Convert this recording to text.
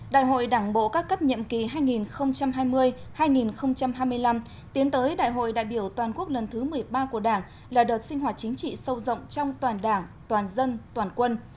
đại hội đảng bộ các cấp nhiệm kỳ hai nghìn hai mươi hai nghìn hai mươi năm tiến tới đại hội đại biểu toàn quốc lần thứ một mươi ba của đảng là đợt sinh hoạt chính trị sâu rộng trong toàn đảng toàn dân toàn quân